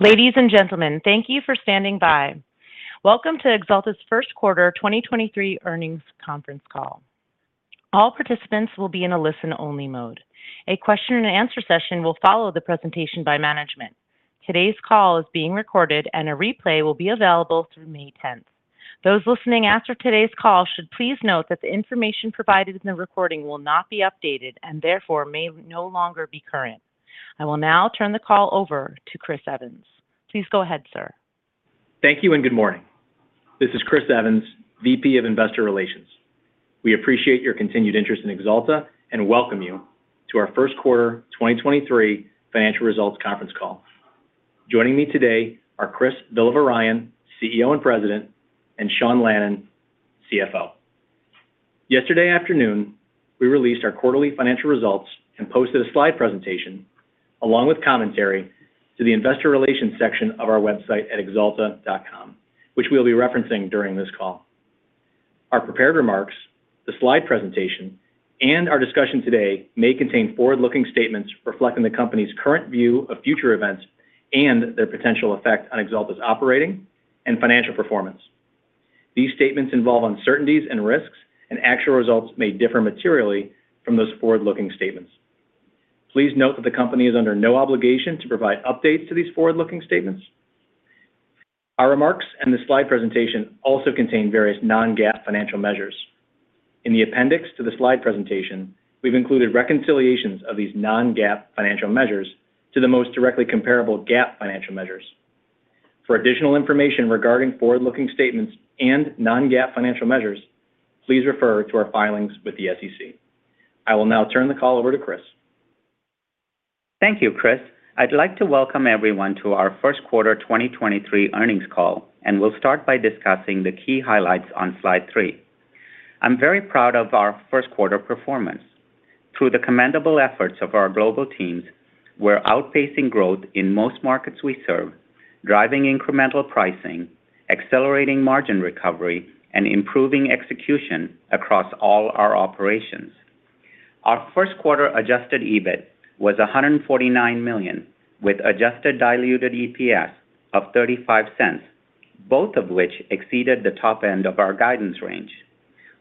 Ladies and gentlemen, thank you for standing by. Welcome to Axalta's Q1 2023 earnings conference call. All participants will be in a listen-only mode. A question and answer session will follow the presentation by management. Today's call is being recorded, and a replay will be available through May 10th. Those listening after today's call should please note that the information provided in the recording will not be updated and therefore may no longer be current. I will now turn the call over to Chris Evans. Please go ahead, sir. Thank you. Good morning. This is Chris Evans, VP of Investor Relations. We appreciate your continued interest in Axalta and welcome you to our Q1 2023 financial results conference call. Joining me today are Chris Villavarayan, CEO and President, and Sean Lannon, CFO. Yesterday afternoon, we released our quarterly financial results and posted a slide presentation along with commentary to the Investor Relations section of our website at axalta.com, which we'll be referencing during this call. Our prepared remarks, the slide presentation, and our discussion today may contain forward-looking statements reflecting the company's current view of future events and their potential effect on Axalta's operating and financial performance. These statements involve uncertainties and risks. Actual results may differ materially from those forward-looking statements. Please note that the company is under no obligation to provide updates to these forward-looking statements. Our remarks and the slide presentation also contain various Non-GAAP financial measures. In the appendix to the slide presentation, we've included reconciliations of these Non-GAAP financial measures to the most directly comparable GAAP financial measures. For additional information regarding forward-looking statements and Non-GAAP financial measures, please refer to our filings with the SEC. I will now turn the call over to Chris. Thank you, Chris. I'd like to welcome everyone to our Q1 2023 earnings call. We'll start by discussing the key highlights on slide 3. I'm very proud of our Q1 performance. Through the commendable efforts of our global teams, we're outpacing growth in most markets we serve, driving incremental pricing, accelerating margin recovery, and improving execution across all our operations. Our Q1 adjusted EBIT was $149 million, with adjusted diluted EPS of $0.35, both of which exceeded the top end of our guidance range.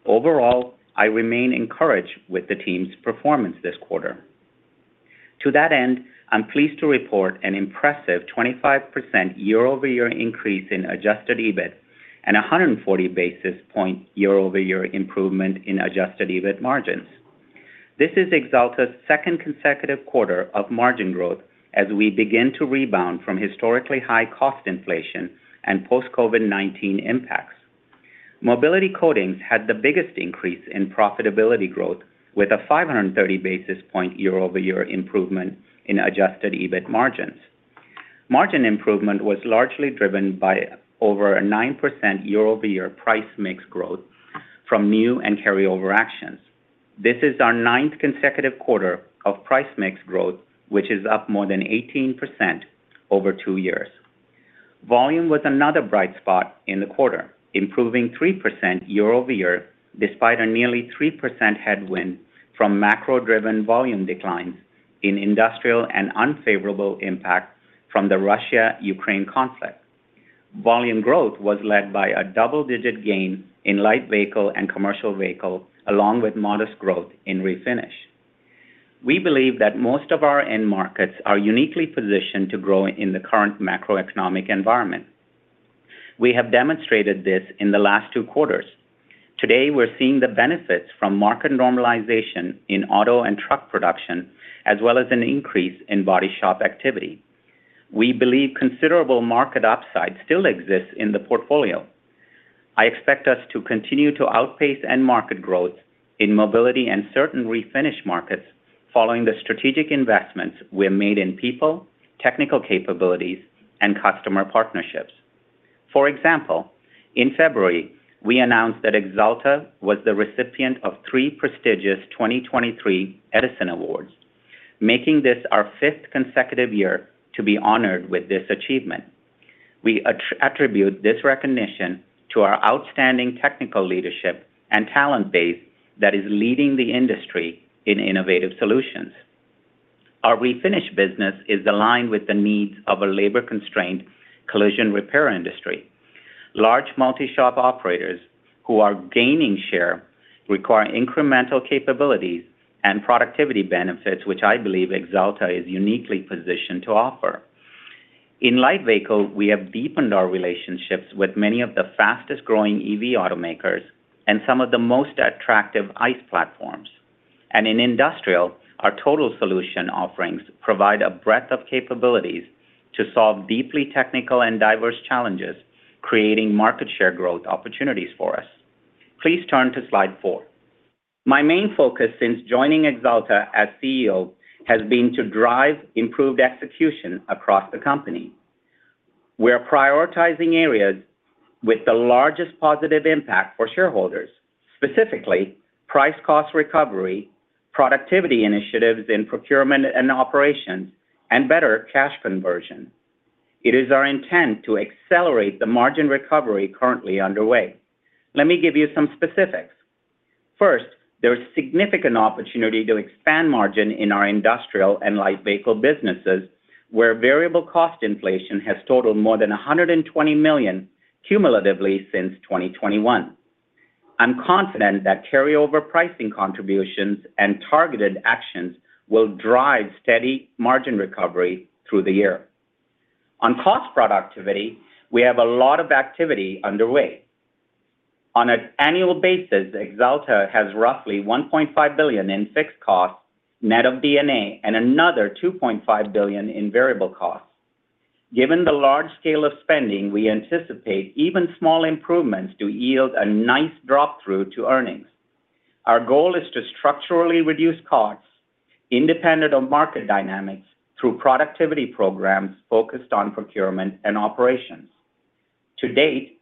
Overall, I remain encouraged with the team's performance this quarter. To that end, I'm pleased to report an impressive 25% year-over-year increase in adjusted EBIT and a 140 basis point year-over-year improvement in adjusted EBIT margins. This is Axalta's second consecutive quarter of margin growth as we begin to rebound from historically high cost inflation and post COVID-19 impacts. Mobility Coatings had the biggest increase in profitability growth with a 530 basis point year-over-year improvement in adjusted EBIT margins. Margin improvement was largely driven by over a 9% year-over-year price mix growth from new and carryover actions. This is our ninth consecutive quarter of price mix growth, which is up more than 18% over 2 years. Volume was another bright spot in the quarter, improving 3% year-over-year despite a nearly 3% headwind from macro-driven volume declines in Industrial and unfavorable impact from the Russia-Ukraine conflict. Volume growth was led by a double-digit gain in light vehicle and commercial vehicle, along with modest growth in refinish. We believe that most of our end markets are uniquely positioned to grow in the current macroeconomic environment. We have demonstrated this in the last two quarters. Today, we're seeing the benefits from market normalization in auto and truck production, as well as an increase in body shop activity. We believe considerable market upside still exists in the portfolio. I expect us to continue to outpace end market growth in Mobility and certain mefinish markets following the strategic investments we have made in people, technical capabilities, and customer partnerships. For example, in February, we announced that Axalta was the recipient of three prestigious 2023 Edison Awards, making this our fifth consecutive year to be honored with this achievement. We attribute this recognition to our outstanding technical leadership and talent base that is leading the industry in innovative solutions. Our Refinish business is aligned with the needs of a labor-constrained collision repair industry. Large multi-shop operators who are gaining share require incremental capabilities and productivity benefits, which I believe Axalta is uniquely positioned to offer. In light vehicle, we have deepened our relationships with many of the fastest-growing EV automakers and some of the most attractive ICE platforms. In Industrial, our total solution offerings provide a breadth of capabilities to solve deeply technical and diverse challenges, creating market share growth opportunities for us. Please turn to slide four. My main focus since joining Axalta as CEO has been to drive improved execution across the company. We're prioritizing areas with the largest positive impact for shareholders, specifically price cost recovery, productivity initiatives in procurement and operations, and better cash conversion. It is our intent to accelerate the margin recovery currently underway. Let me give you some specifics. First, there is significant opportunity to expand margin in our industrial and light vehicle businesses where variable cost inflation has totaled more than $120 million cumulatively since 2021. I'm confident that carryover pricing contributions and targeted actions will drive steady margin recovery through the year. On cost productivity, we have a lot of activity underway. On an annual basis, Axalta has roughly $1.5 billion in fixed costs net of D&A and another $2.5 billion in variable costs. Given the large scale of spending, we anticipate even small improvements to yield a nice drop-through to earnings. Our goal is to structurally reduce costs independent of market dynamics through productivity programs focused on procurement and operations. To date,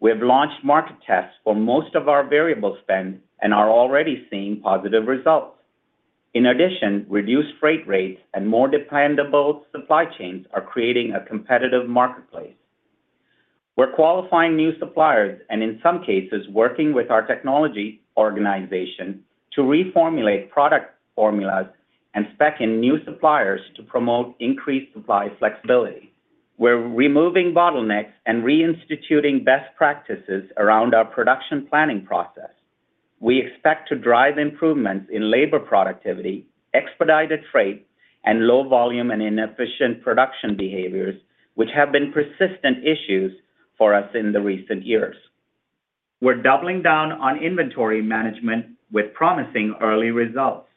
we have launched market tests for most of our variable spend and are already seeing positive results. Reduced freight rates and more dependable supply chains are creating a competitive marketplace. We're qualifying new suppliers and in some cases, working with our technology organization to reformulate product formulas and spec in new suppliers to promote increased supply flexibility. We're removing bottlenecks and reinstituting best practices around our production planning process. We expect to drive improvements in labor productivity, expedited freight, and low volume and inefficient production behaviors, which have been persistent issues for us in the recent years. We're doubling down on inventory management with promising early results.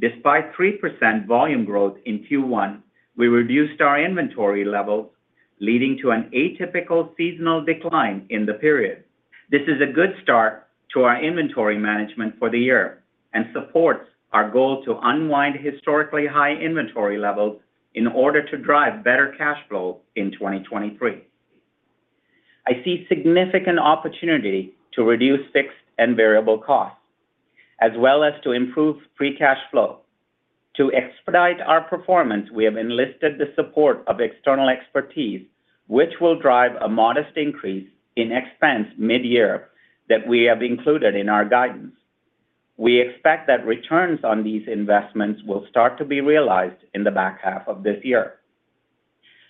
Despite 3% volume growth in Q1, we reduced our inventory levels, leading to an atypical seasonal decline in the period. This is a good start to our inventory management for the year and supports our goal to unwind historically high inventory levels in order to drive better cash flow in 2023. I see significant opportunity to reduce fixed and variable costs as well as to improve free cash flow. To expedite our performance, we have enlisted the support of external expertise, which will drive a modest increase in expense mid-year that we have included in our guidance. We expect that returns on these investments will start to be realized in the back half of this year.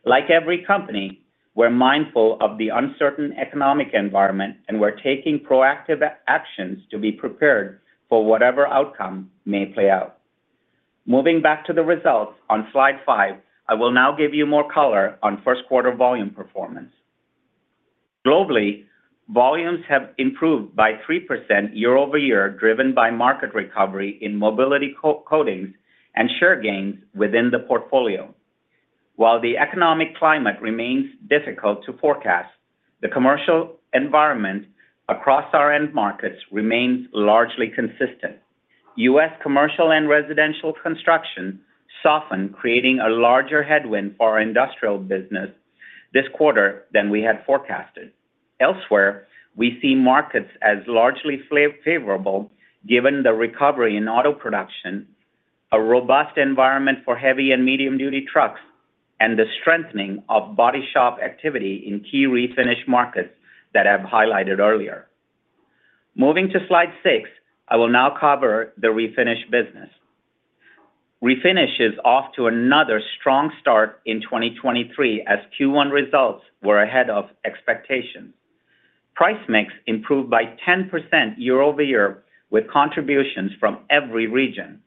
Like every company, we're mindful of the uncertain economic environment, and we're taking proactive actions to be prepared for whatever outcome may play out. Moving back to the results on slide five, I will now give you more color on first quarter volume performance. Globally, volumes have improved by 3% year-over-year, driven by market recovery in Mobility Coatings and share gains within the portfolio. While the economic climate remains difficult to forecast, the commercial environment across our end markets remains largely consistent. U.S. commercial and residential construction softened, creating a larger headwind for our Industrial business this quarter than we had forecasted. Elsewhere, we see markets as largely favorable given the recovery in auto production, a robust environment for heavy and medium-duty trucks, and the strengthening of body shop activity in key Refinish markets that I've highlighted earlier. Moving to slide six, I will now cover the Refinish business. Refinish is off to another strong start in 2023 as Q1 results were ahead of expectations. Price mix improved by 10% year-over-year with contributions from every region.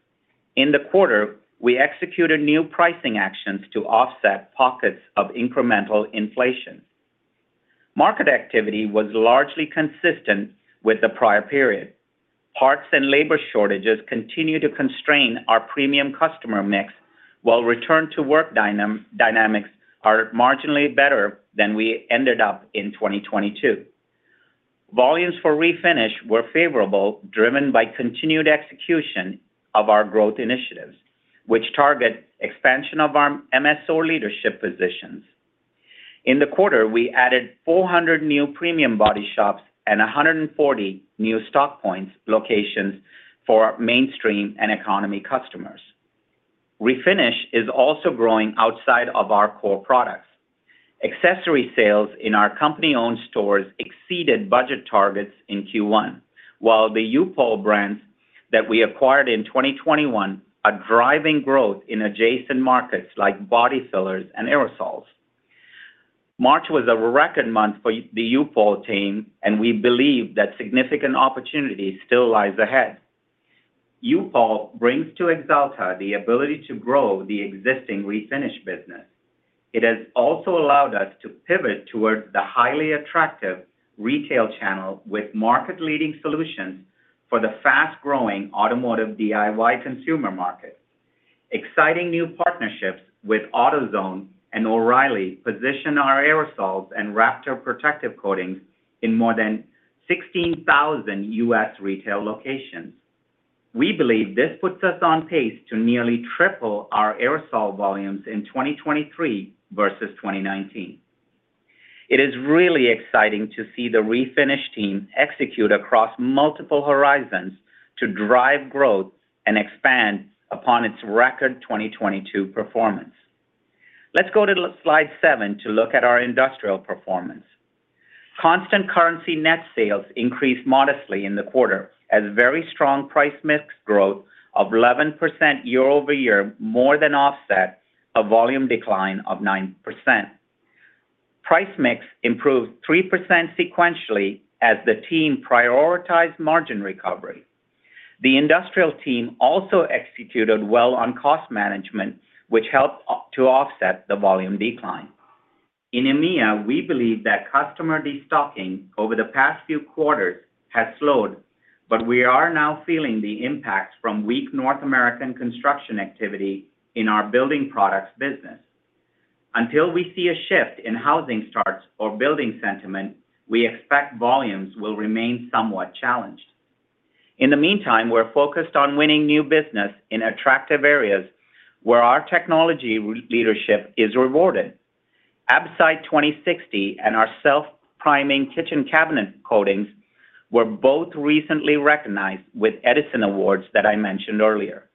In the quarter, we executed new pricing actions to offset pockets of incremental inflation. Market activity was largely consistent with the prior period. Parts and labor shortages continue to constrain our premium customer mix, while return to work dynamics are marginally better than we ended up in 2022. Volumes for Refinish were favorable, driven by continued execution of our growth initiatives, which target expansion of our MSO leadership positions. In the quarter, we added 400 new premium body shops and 140 new stock points locations for mainstream and economy customers. Refinish is also growing outside of our core products. Accessory sales in our company-owned stores exceeded budget targets in Q1, while the U-POL brands that we acquired in 2021 are driving growth in adjacent markets like body fillers and aerosols. March was a record month for the U-POL team. We believe that significant opportunity still lies ahead. U-POL brings to Axalta the ability to grow the existing Refinish business. It has also allowed us to pivot towards the highly attractive retail channel with market-leading solutions for the fast-growing automotive DIY consumer market. Exciting new partnerships with AutoZone and O'Reilly position our aerosols and RAPTOR protective coatings in more than 16,000 U.S. retail locations. We believe this puts us on pace to nearly triple our aerosol volumes in 2023 versus 2019. It is really exciting to see the Refinish team execute across multiple horizons to drive growth and expand upon its record 2022 performance. Let's go to slide seven to look at our Industrial performance. Constant currency net sales increased modestly in the quarter as very strong price mix growth of 11% year-over-year more than offset a volume decline of 9%. Price mix improved 3% sequentially as the team prioritized margin recovery. The Industrial team also executed well on cost management, which helped to offset the volume decline. In EMEA, we believe that customer destocking over the past few quarters has slowed. We are now feeling the impacts from weak North American construction activity in our building products business. Until we see a shift in housing starts or building sentiment, we expect volumes will remain somewhat challenged. In the meantime, we're focused on winning new business in attractive areas where our technology leadership is rewarded. Abcite 2060 and our self-priming kitchen cabinet coatings were both recently recognized with Edison Awards that I mentioned earlier.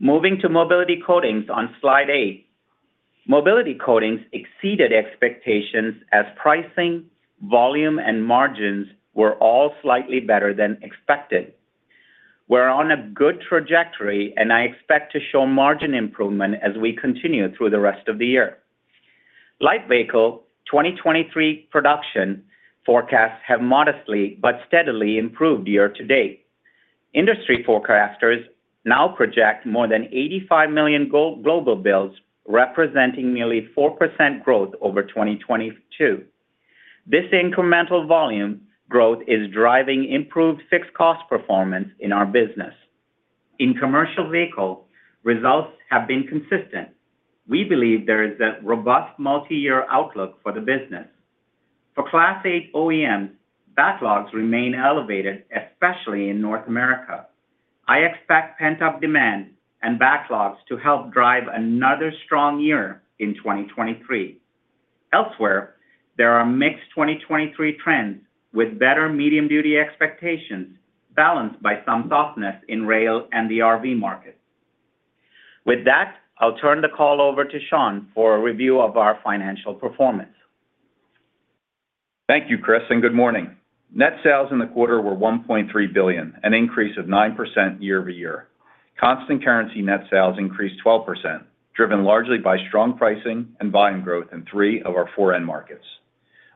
Moving to Mobility Coatings on Slide eight. Mobility Coatings exceeded expectations as pricing, volume, and margins were all slightly better than expected. We're on a good trajectory. I expect to show margin improvement as we continue through the rest of the year. Light vehicle 2023 production forecasts have modestly but steadily improved year-to-date. Industry forecasters now project more than 85 million go-global builds representing nearly 4% growth over 2022. This incremental volume growth is driving improved fixed cost performance in our business. In commercial vehicle, results have been consistent. We believe there is a robust multi-year outlook for the business. For Class 8 OEMs, backlogs remain elevated, especially in North America. I expect pent-up demand and backlogs to help drive another strong year in 2023. Elsewhere, there are mixed 2023 trends with better medium-duty expectations balanced by some softness in rail and the RV market. With that, I'll turn the call over to Sean for a review of our financial performance. Thank you, Chris, and good morning. Net sales in the quarter were $1.3 billion, an increase of 9% year-over-year. Constant currency net sales increased 12%, driven largely by strong pricing and volume growth in three of our four end markets.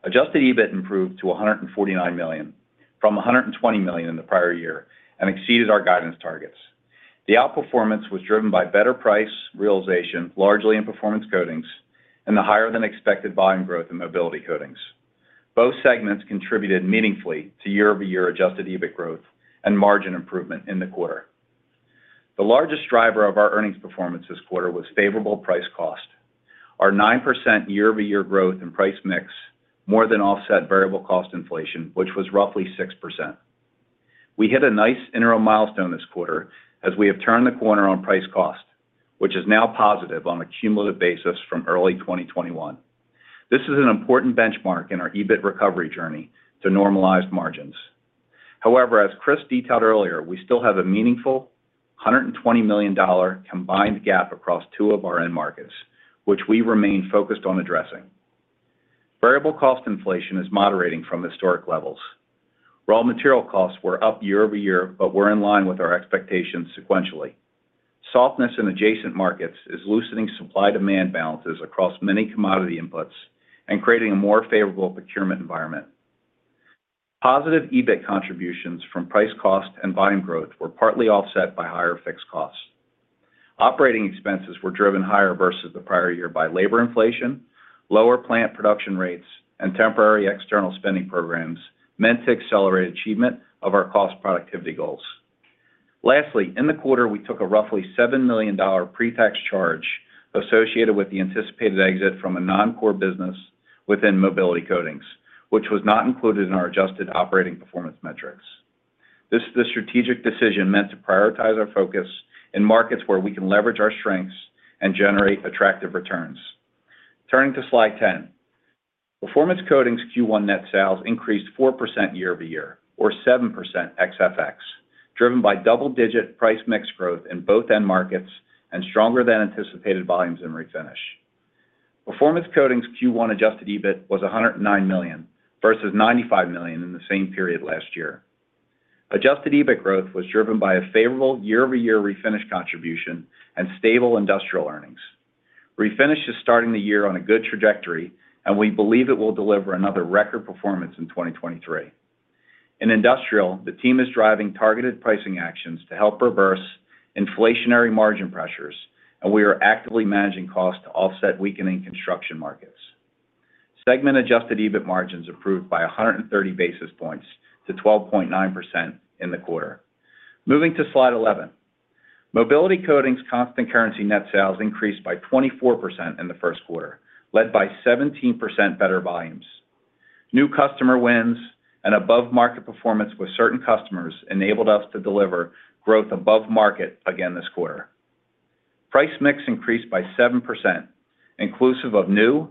adjusted EBIT improved to $149 million from $120 million in the prior year and exceeded our guidance targets. The outperformance was driven by better price realization, largely in Performance Coatings and the higher than expected volume growth in Mobility Coatings. Both segments contributed meaningfully to year-over-year adjusted EBIT growth and margin improvement in the quarter. The largest driver of our earnings performance this quarter was favorable price cost. Our 9% year-over-year growth in price mix more than offset variable cost inflation, which was roughly 6%. We hit a nice interim milestone this quarter as we have turned the corner on price cost, which is now positive on a cumulative basis from early 2021. This is an important benchmark in our EBIT recovery journey to normalized margins. However, as Chris detailed earlier, we still have a meaningful $120 million combined gap across two of our end markets, which we remain focused on addressing. Variable cost inflation is moderating from historic levels. Raw material costs were up year-over-year, but were in line with our expectations sequentially. Softness in adjacent markets is loosening supply-demand balances across many commodity inputs and creating a more favorable procurement environment. Positive EBIT contributions from price cost and volume growth were partly offset by higher fixed costs. Operating expenses were driven higher versus the prior year by labor inflation, lower plant production rates, and temporary external spending programs meant to accelerate achievement of our cost productivity goals. In the quarter, we took a roughly $7 million pre-tax charge associated with the anticipated exit from a non-core business within Mobility Coatings, which was not included in our adjusted operating performance metrics. This is a strategic decision meant to prioritize our focus in markets where we can leverage our strengths and generate attractive returns. Turning to Slide 10. Performance Coatings' Q1 net sales increased 4% year-over-year or 7% ex FX, driven by double-digit price mix growth in both end markets and stronger than anticipated volumes in refinish. Performance Coatings' Q1 adjusted EBIT was $109 million versus $95 million in the same period last year. Adjusted EBIT growth was driven by a favorable year-over-year Refinish contribution and stable Industrial earnings. We believe Refinish is starting the year on a good trajectory, and it will deliver another record performance in 2023. In Industrial, the team is driving targeted pricing actions to help reverse inflationary margin pressures. We are actively managing costs to offset weakening construction markets. Segment adjusted EBIT margins improved by 130 basis points to 12.9% in the quarter. Moving to Slide 11. Mobility Coatings' constant currency net sales increased by 24% in the Q1, led by 17% better volumes. New customer wins and above market performance with certain customers enabled us to deliver growth above market again this quarter. Price mix increased by 7%, inclusive of new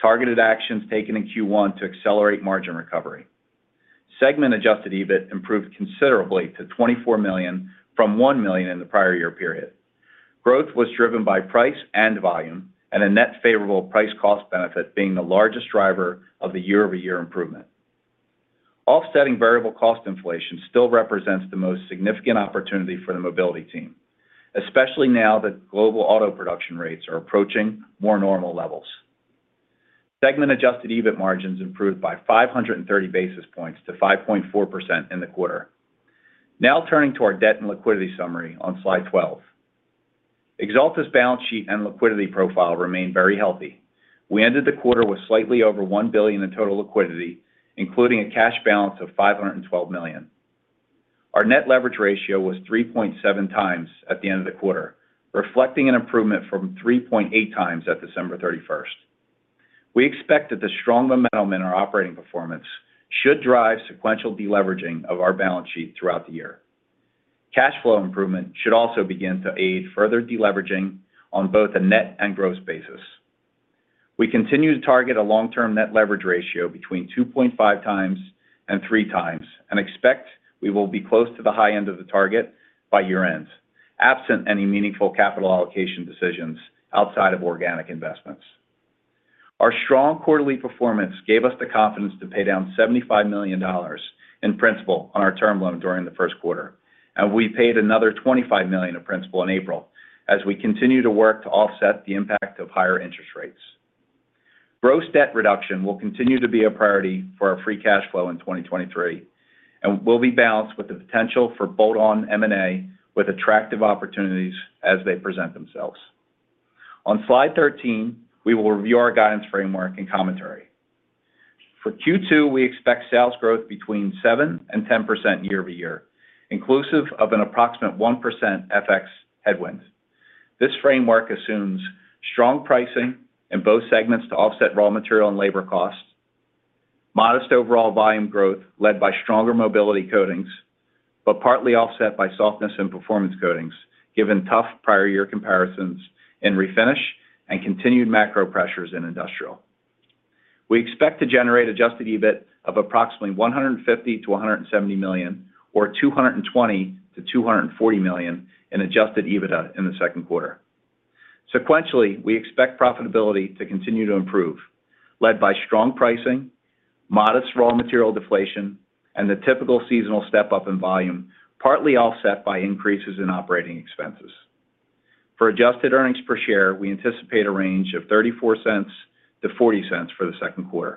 targeted actions taken in Q1 to accelerate margin recovery. Segment adjusted EBIT improved considerably to $24 million from $1 million in the prior year period. Growth was driven by price and volume, a net favorable price cost benefit being the largest driver of the year-over-year improvement. Offsetting variable cost inflation still represents the most significant opportunity for the mobility team, especially now that global auto production rates are approaching more normal levels. Segment adjusted EBIT margins improved by 530 basis points to 5.4% in the quarter. Turning to our debt and liquidity summary on slide 12. Axalta's balance sheet and liquidity profile remain very healthy. We ended the quarter with slightly over $1 billion in total liquidity, including a cash balance of $512 million. Our net leverage ratio was 3.7 times at the end of the quarter, reflecting an improvement from 3.8 times at December thirty-first. We expect that the strong momentum in our operating performance should drive sequential deleveraging of our balance sheet throughout the year. Cash flow improvement should also begin to aid further deleveraging on both a net and gross basis. We continue to target a long-term net leverage ratio between 2.5 times and 3 times, and expect we will be close to the high end of the target by year-end, absent any meaningful capital allocation decisions outside of organic investments. Our strong quarterly performance gave us the confidence to pay down $75 million in principal on our term loan during the first quarter, and we paid another $25 million of principal in April as we continue to work to offset the impact of higher interest rates. Gross debt reduction will continue to be a priority for our free cash flow in 2023, and will be balanced with the potential for bolt-on M&A with attractive opportunities as they present themselves. On slide 13, we will review our guidance framework and commentary. For Q2, we expect sales growth between 7% and 10% year-over-year, inclusive of an approximate 1% FX headwind. This framework assumes strong pricing in both segments to offset raw material and labor costs, modest overall volume growth led by stronger Mobility Coatings, but partly offset by softness in Performance Coatings given tough prior year comparisons in Refinish and continued macro pressures in Industrial. We expect to generate adjusted EBIT of approximately $150 million-$170 million or $220 million-$240 million in adjusted EBITDA in the Q2. Sequentially, we expect profitability to continue to improve, led by strong pricing, modest raw material deflation, and the typical seasonal step-up in volume, partly offset by increases in operating expenses. For adjusted earnings per share, we anticipate a range of $0.34-$0.40 for the Q2.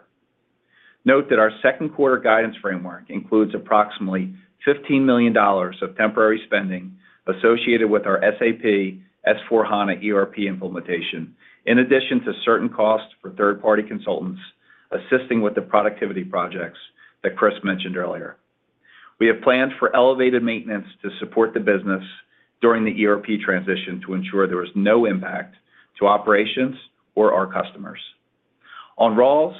Note that our second quarter guidance framework includes approximately $15 million of temporary spending associated with our SAP S/4HANA ERP implementation, in addition to certain costs for third-party consultants assisting with the productivity projects that Chris mentioned earlier. We have planned for elevated maintenance to support the business during the ERP transition to ensure there is no impact to operations or our customers. On raws,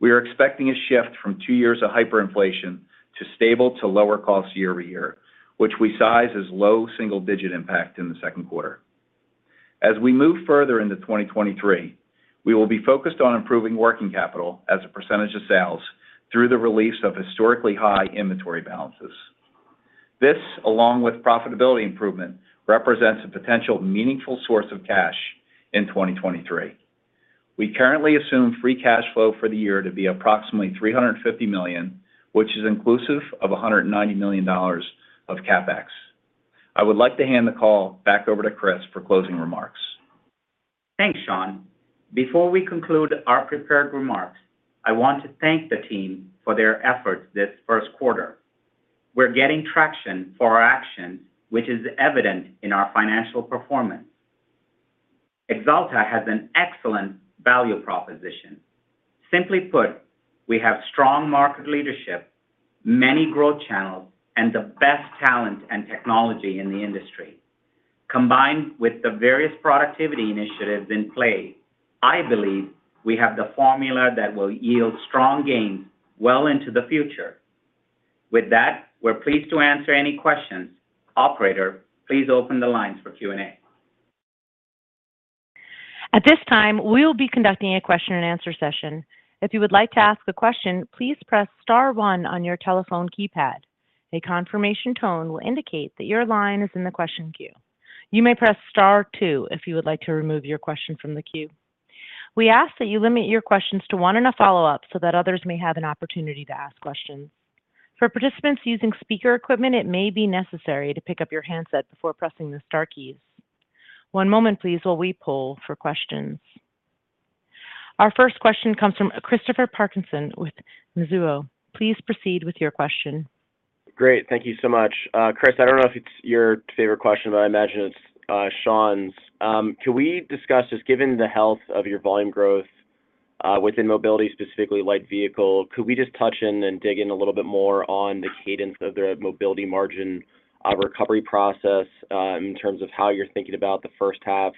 we are expecting a shift from two years of hyperinflation to stable to lower costs year-over-year, which we size as low double single-digit impact in the Q2. As we move further into 2023, we will be focused on improving working capital as a percentage of sales through the release of historically high inventory balances. This, along with profitability improvement, represents a potential meaningful source of cash in 2023. We currently assume free cash flow for the year to be approximately $350 million, which is inclusive of $190 million of CapEx. I would like to hand the call back over to Chris for closing remarks. Thanks, Sean. Before we conclude our prepared remarks, I want to thank the team for their efforts this Q1. We're getting traction for our actions, which is evident in our financial performance. Axalta has an excellent value proposition. Simply put, we have strong market leadership, many growth channels, and the best talent and technology in the industry. Combined with the various productivity initiatives in play, I believe we have the formula that will yield strong gains well into the future. With that, we're pleased to answer any questions. Operator, please open the lines for Q&A. At this time, we will be conducting a question and answer session. If you would like to ask a question, please press star one on your telephone keypad. A confirmation tone will indicate that your line is in the question queue. You may press star two if you would like to remove your question from the queue. We ask that you limit your questions to one and a follow-up so that others may have an opportunity to ask questions. For participants using speaker equipment, it may be necessary to pick up your handset before pressing the star keys. One moment please while we poll for questions. Our first question comes from Christopher Parkinson with Mizuho. Please proceed with your question. Great. Thank you so much. Chris, I don't know if it's your favorite question, but I imagine it's Sean's. Could we discuss, just given the health of your volume growth within Mobility, specifically light vehicle, could we just touch in and dig in a little bit more on the cadence of the Mobility margin recovery process in terms of how you're thinking about the Q1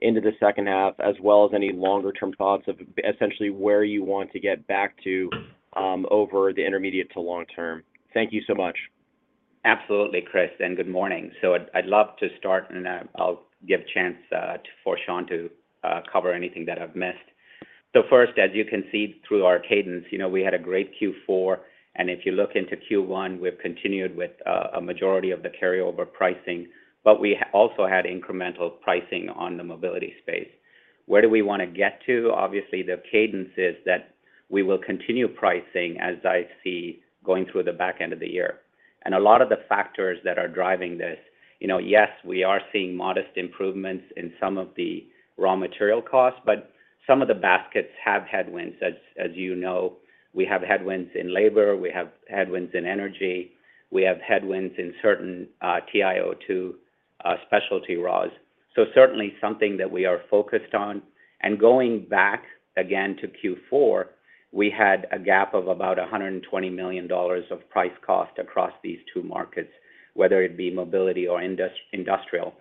into the Q2, as well as any longer term thoughts of essentially where you want to get back to over the intermediate to long term? Thank you so much. Absolutely, Chris. Good morning. I'd love to start, and then I'll give chance for Sean to cover anything that I've missed. First, as you can see through our cadence, you know, we had a great Q4, and if you look into Q1, we've continued with a majority of the carryover pricing, but we also had incremental pricing on the mobility space. Where do we wanna get to? Obviously, the cadence is that we will continue pricing as I see going through the back end of the year. A lot of the factors that are driving this, you know, yes, we are seeing modest improvements in some of the raw material costs, but some of the baskets have headwinds. As you know, we have headwinds in labor, we have headwinds in energy, we have headwinds in certain TiO2 specialty raws. Certainly something that we are focused on. Going back again to Q4, we had a gap of about $120 million of price cost across these two markets, whether it be Mobility or Industrial.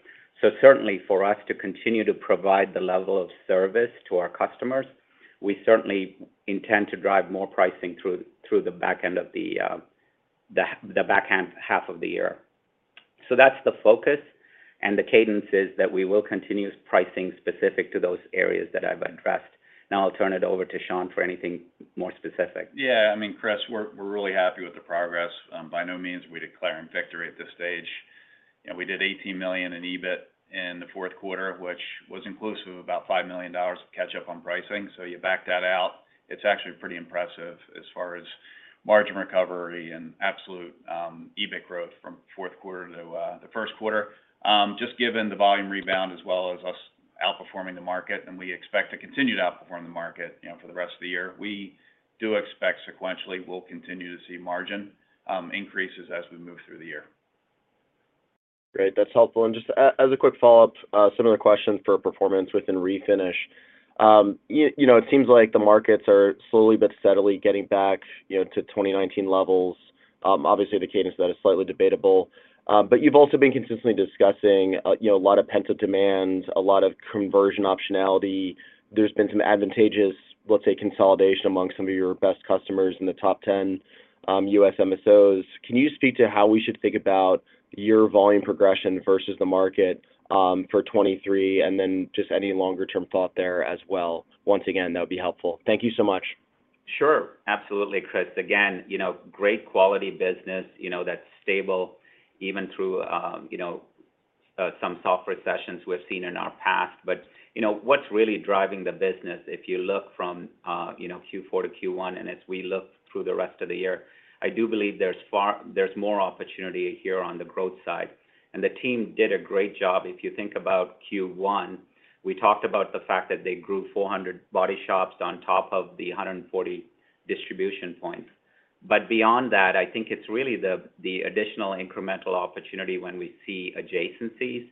Certainly for us to continue to provide the level of service to our customers, we certainly intend to drive more pricing through the back end of the backend half of the year. That's the focus, and the cadence is that we will continue pricing specific to those areas that I've addressed. Now I'll turn it over to Sean for anything more specific. Yeah. I mean, Chris, we're really happy with the progress. By no means are we declaring victory at this stage. You know, we did $18 million in EBIT in the Q4, which was inclusive of about $5 million of catch up on pricing. You back that out, it's actually pretty impressive as far as margin recovery and absolute EBIT growth from Q4 to the Q1. Just given the volume rebound as well as us outperforming the market, and we expect to continue to outperform the market, you know, for the rest of the year. We do expect sequentially, we'll continue to see margin increases as we move through the year. Great. That's helpful. Just as a quick follow-up, similar question for performance within Refinish. You know, it seems like the markets are slowly but steadily getting back, you know, to 2019 levels. Obviously, the cadence of that is slightly debatable, but you've also been consistently discussing, you know, a lot of pent-up demand, a lot of conversion optionality. There's been some advantageous, let's say, consolidation among some of your best customers in the top 10, U.S. MSOs. Can you speak to how we should think about your volume progression versus the market for 2023, and then just any longer term thought there as well? Once again, that would be helpful. Thank you so much. Sure. Absolutely, Chris. Again, you know, great quality business, you know, that's stable even through, you know, some soft recessions we've seen in our past. You know, what's really driving the business, if you look from, you know, Q4 to Q1, and as we look through the rest of the year, I do believe there's more opportunity here on the growth side. The team did a great job. If you think about Q1, we talked about the fact that they grew 400 body shops on top of the 140 distribution points. Beyond that, I think it's really the additional incremental opportunity when we see adjacencies,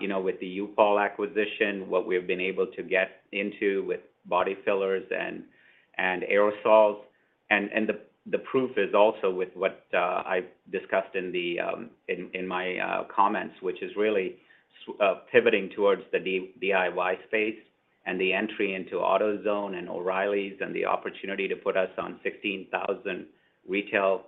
you know, with the U-POL acquisition, what we've been able to get into with body fillers and aerosols. The proof is also with what I discussed in the comments, which is really pivoting towards the DIY space and the entry into AutoZone and O'Reilly's and the opportunity to put us on 16,000 retail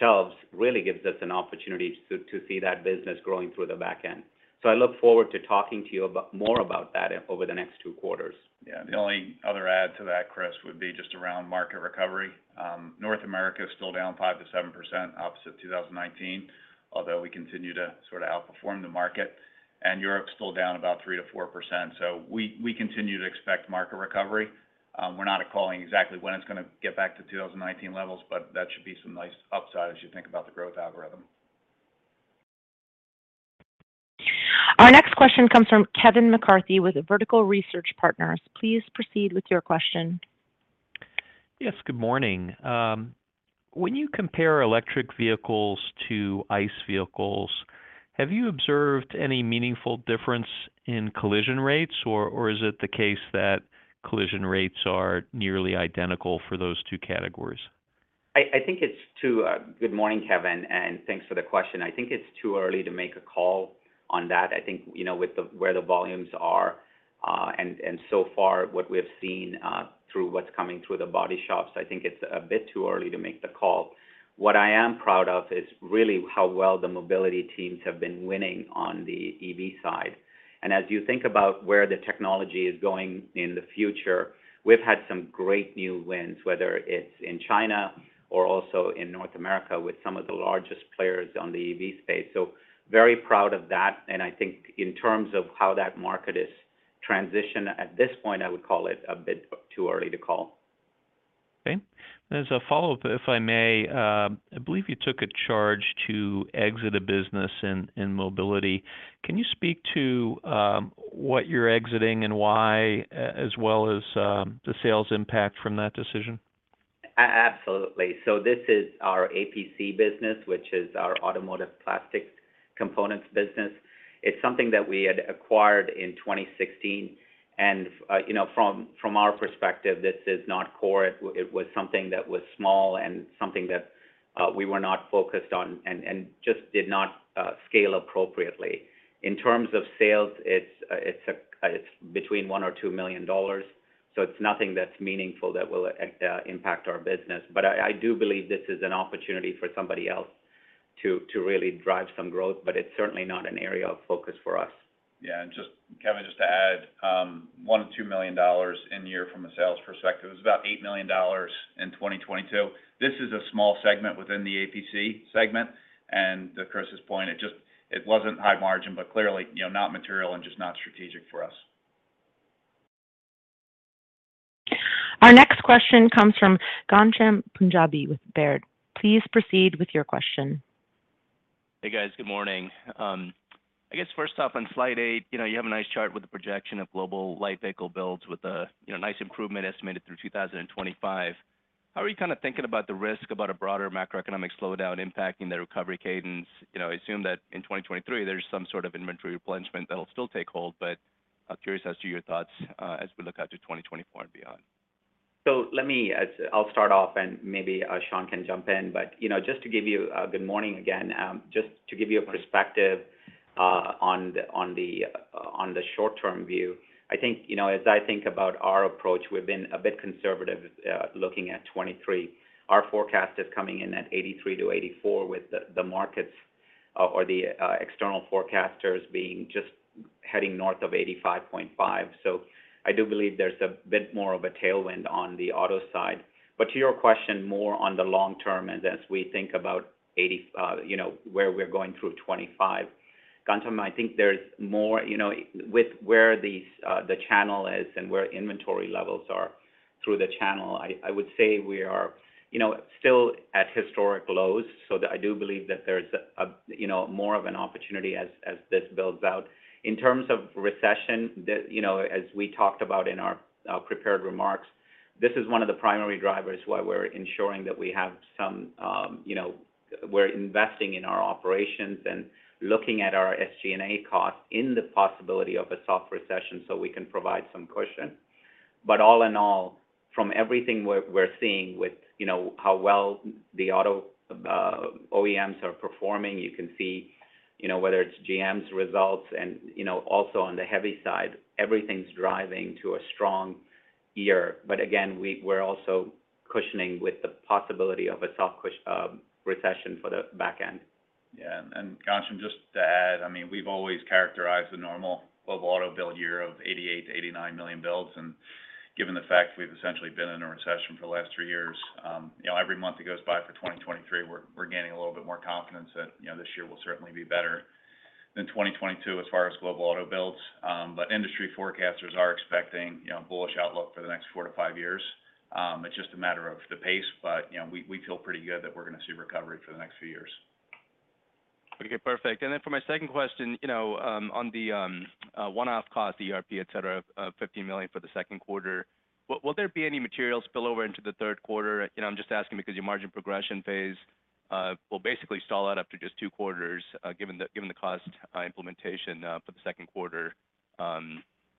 shelves really gives us an opportunity to see that business growing through the back end. I look forward to talking to you more about that over the next two quarters. The only other add to that, Chris, would be just around market recovery. North America is still down 5%-7% opposite 2019, although we continue to sort a outperform the market, and Europe's still down about 3%-4%. We continue to expect market recovery. We're not calling exactly when it's gonna get back to 2019 levels, but that should be some nice upside as you think about the growth algorithm. Our next question comes from Kevin McCarthy with Vertical Research Partners. Please proceed with your question. Yes. Good morning. When you compare electric vehicles to ICE vehicles, have you observed any meaningful difference in collision rates, or is it the case that collision rates are nearly identical for those two categories? Good morning, Kevin, and thanks for the question. I think it's too early to make a call on that. I think, you know, where the volumes are, and so far what we've seen, through what's coming through the body shops, I think it's a bit too early to make the call. What I am proud of is really how well the mobility teams have been winning on the EV side. As you think about where the technology is going in the future, we've had some great new wins, whether it's in China or also in North America with some of the largest players on the EV space. Very proud of that, and I think in terms of how that market is transitioned at this point, I would call it a bit too early to call. Okay. As a follow-up, if I may, I believe you took a charge to exit a business in Mobility. Can you speak to what you're exiting and why as well as the sales impact from that decision? Absolutely. This is our APC business, which is our automotive plastics components business. It's something that we had acquired in 2016. You know, from our perspective, this is not core. It was something that was small and something that we were not focused on and just did not scale appropriately. In terms of sales, it's between $1 million-$2 million. It's nothing that's meaningful that will impact our business. I do believe this is an opportunity for somebody else to really drive some growth, but it's certainly not an area of focus for us. Kevin, just to add, $1 million-$2 million in year from a sales perspective. It was about $8 million in 2022. This is a small segment within the APC segment. To Chris' point, it wasn't high margin, but clearly, you know, not material and just not strategic for us. Our next question comes from Ghansham Panjabi with Baird. Please proceed with your question. Hey, guys. Good morning. I guess first off, on slide eight, you know, you have a nice chart with the projection of global light vehicle builds with a, you know, nice improvement estimated through 2025. How are you kinda thinking about the risk about a broader macroeconomic slowdown impacting the recovery cadence? You know, I assume that in 2023, there's some sort of inventory replenishment that'll still take hold, but I'm curious as to your thoughts, as we look out to 2024 and beyond. Let me, I'll start off and maybe Sean can jump in. You know, just to give you. Good morning again. Just to give you a perspective on the short-term view, I think, you know, as I think about our approach, we've been a bit conservative looking at 2023. Our forecast is coming in at 83-84 with the markets or the external forecasters being just heading north of 85.5. I do believe there's a bit more of a tailwind on the auto side. To your question more on the long term and as we think about, you know, where we're going through 2025, Ghansham, I think there's more, you know, with where these, the channel is and where inventory levels are through the channel, I would say we are, you know, still at historic lows. That I do believe that there's a, you know, more of an opportunity as this builds out. In terms of recession, you know, as we talked about in our prepared remarks, this is one of the primary drivers why we're ensuring that we have some, you know, we're investing in our operations and looking at our SG&A costs in the possibility of a soft recession so we can provide some cushion. All in all, from everything we're seeing with, you know, how well the auto OEMs are performing, you can see, you know, whether it's GM's results and, you know, also on the heavy side, everything's driving to a strong year. Again, we're also cushioning with the possibility of a soft recession for the back end. Yeah. Ghansham, just to add, I mean, we've always characterized the normal global auto build year of 88-89 million builds, and given the fact we've essentially been in a recession for the last 3 years, you know, every month that goes by for 2023, we're gaining a little bit more confidence that, you know, this year will certainly be better than 2022 as far as global auto builds. Industry forecasters are expecting, you know, bullish outlook for the next 4-5 years. It's just a matter of the pace, but, you know, we feel pretty good that we're gonna see recovery for the next few years. Okay, perfect. For my second question, you know, on the one-off cost, the ERP, et cetera, of $50 million for the second quarter, will there be any material spillover into the Q3? You know, I'm just asking because your margin progression phase will basically stall out after just two quarters, given the cost implementation for the Q2.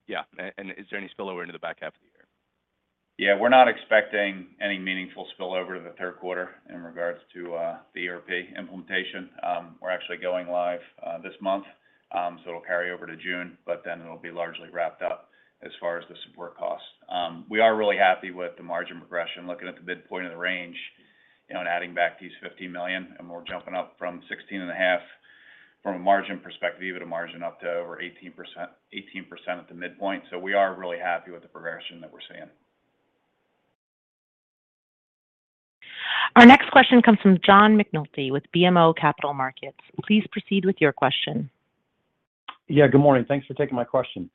Is there any spillover into the back half of the year? Yeah. We're not expecting any meaningful spillover to the third quarter in regards to the ERP implementation. We're actually going live this month. It'll carry over to June, but then it'll be largely wrapped up as far as the support costs. We are really happy with the margin progression, looking at the midpoint of the range, you know, and adding back these $50 million, and we're jumping up from 16.5% from a margin perspective, even a margin up to over 18%, 18% at the midpoint. We are really happy with the progression that we're seeing. Our next question comes from John McNulty with BMO Capital Markets. Please proceed with your question. Yeah. Good morning. Thanks for taking my question.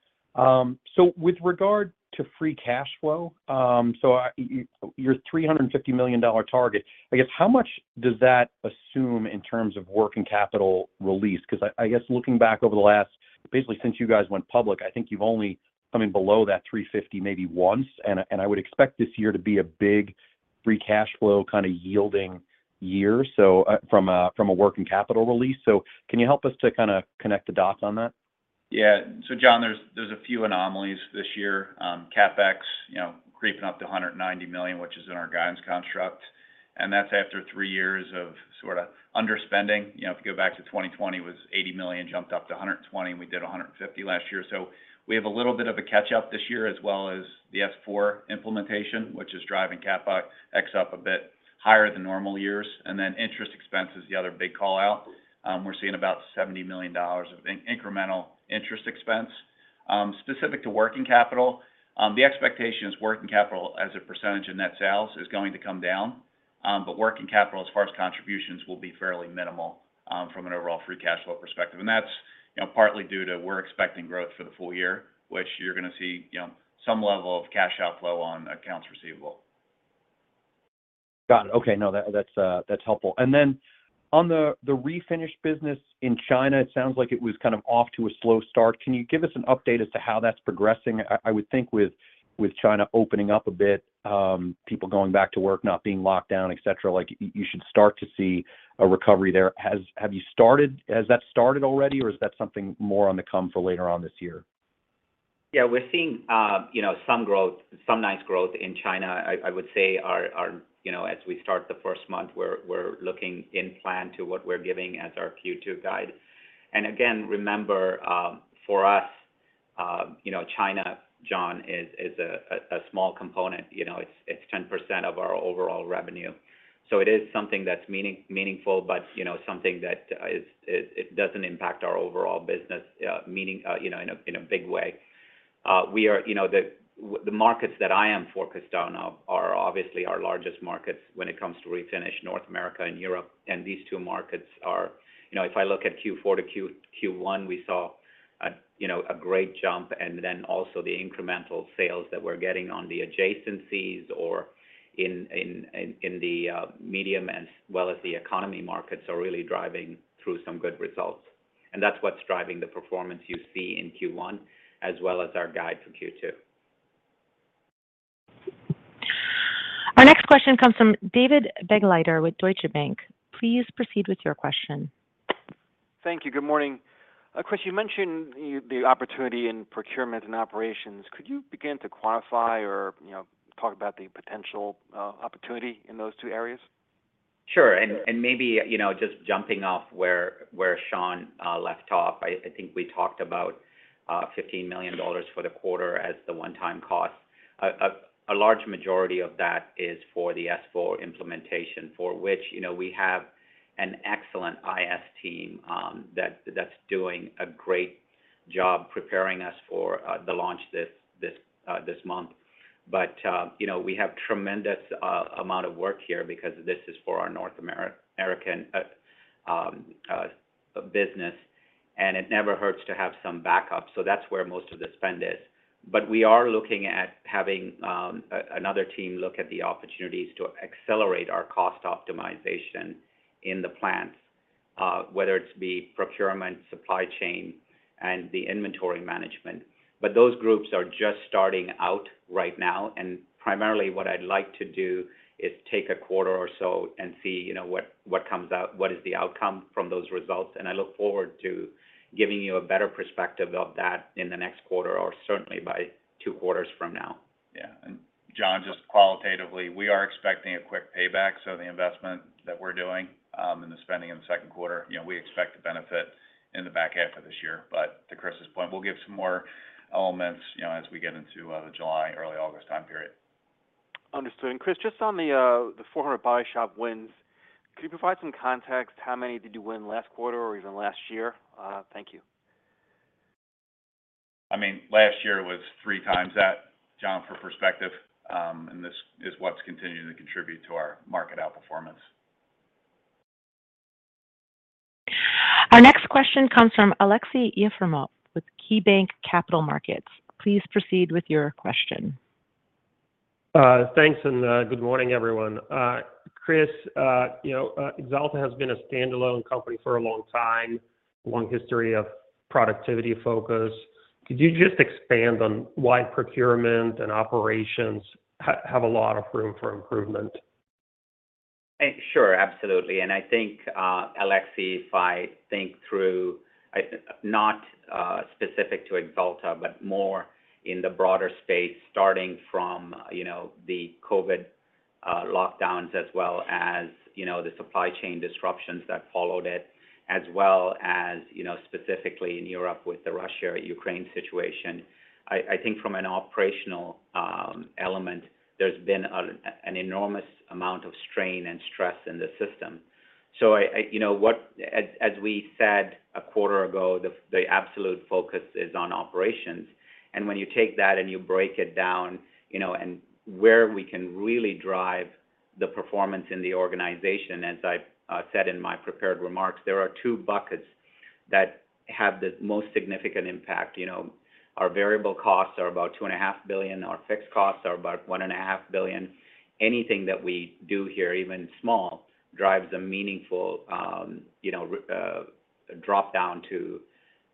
With regard to free cash flow, your $350 million target, I guess how much does that assume in terms of working capital release? 'Cause I guess looking back over the last... basically since you guys went public, I think you've only come in below that $350 maybe once, and I would expect this year to be a big free cash flow kind of yielding year, so from a working capital release. Can you help us to kinda connect the dots on that? Yeah. John, there's a few anomalies this year. CapEx, you know, creeping up to $190 million, which is in our guidance construct. That's after three years of sort of underspending. You know, if you go back to 2020, it was $80 million, jumped up to $120 million, we did $150 million last year. We have a little bit of a catch-up this year, as well as the S/4 implementation, which is driving CapEx up a bit higher than normal years. Interest expense is the other big call-out. We're seeing about $70 million of incremental interest expense. Specific to working capital, the expectation is working capital as a % of net sales is going to come down. Working capital as far as contributions will be fairly minimal from an overall free cash flow perspective. That's, you know, partly due to we're expecting growth for the full year, which you're gonna see, you know, some level of cash outflow on accounts receivable. Got it. Okay. No, that's helpful. On the Refinish business in China, it sounds like it was kind of off to a slow start. Can you give us an update as to how that's progressing? I would think with China opening up a bit, people going back to work, not being locked down, etc, like, you should start to see a recovery there. Have you started? Has that started already, or is that something more on the come for later on this year? Yeah. We're seeing, you know, some growth, some nice growth in China. I would say our, you know, as we start the first month, we're looking in plan to what we're giving as our Q2 guide. Again, remember, you know, China, John, is a small component. You know, it's 10% of our overall revenue. It is something that's meaningful, but you know, something that doesn't impact our overall business, meaning, you know, in a big way. You know, the markets that I am focused on are obviously our largest markets when it comes to Refinish North America and Europe. These two markets are... You know, if I look at Q4 to Q1, we saw, you know, a great jump, then also the incremental sales that we're getting on the adjacencies or in the medium as well as the economy markets are really driving through some good results. That's what's driving the performance you see in Q1 as well as our guide for Q2. Our next question comes from David Begleiter with Deutsche Bank. Please proceed with your question. Thank you. Good morning. Chris, you mentioned the opportunity in procurement and operations. Could you begin to quantify or, you know, talk about the potential opportunity in those two areas? Sure. Maybe, you know, just jumping off where Sean left off, I think we talked about $15 million for the quarter as the one-time cost. A large majority of that is for the S/4 implementation, for which, you know, we have an excellent IS team that's doing a great job preparing us for the launch this month. You know, we have tremendous amount of work here because this is for our North American business, and it never hurts to have some backup. That's where most of the spend is. We are looking at having another team look at the opportunities to accelerate our cost optimization in the plants, whether it's the procurement, supply chain, and the inventory management. Those groups are just starting out right now, and primarily what I'd like to do is take a quarter or so and see, you know, what comes out, what is the outcome from those results. I look forward to giving you a better perspective of that in the next quarter or certainly by two quarter from now. Yeah. John, just qualitatively, we are expecting a quick payback. The investment that we're doing, and the spending in the second quarter, you know, we expect to benefit in the back half of this year. To Chris's point, we'll give some more elements, you know, as we get into the July, early August time period. Understood. Chris, just on the 400 body shop wins, could you provide some context? How many did you win last quarter or even last year? Thank you. I mean, last year was three times that, John, for perspective. This is what's continuing to contribute to our market outperformance. Our next question comes from Aleksey Yefremov with KeyBanc Capital Markets. Please proceed with your question. Thanks, and good morning, everyone. Chris, you know, Axalta has been a standalone company for a long time, long history of productivity focus. Could you just expand on why procurement and operations have a lot of room for improvement? Sure, absolutely. I think Aleksey Yefremov, if I think through not specific to Axalta, but more in the broader space, starting from, you know, the COVID lockdowns as well as, you know, the supply chain disruptions that followed it, as well as, you know, specifically in Europe with the Russia-Ukraine situation. I think from an operational element, there's been an enormous amount of strain and stress in the system. You know, as we said a quarter ago, the absolute focus is on operations. When you take that and you break it down, you know, and where we can really drive the performance in the organization, as I said in my prepared remarks, there are two buckets that have the most significant impact. You know, our variable costs are about $2.5 billion. Our fixed costs are about $1.5 billion. Anything that we do here, even small, drives a meaningful, you know, drop down